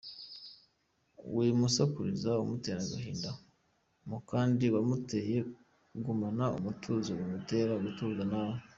Wimusakuriza umutera agahinda mu kandi wamuteye, gumana umutuzo bimutere gutuza nawe.